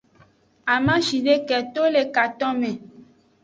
Amashideke to le katonme.